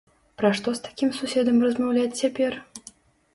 Пра што з такім суседам размаўляць цяпер?